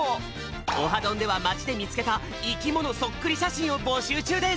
「オハどん！」ではまちでみつけたいきものそっくりしゃしんをぼしゅうちゅうです！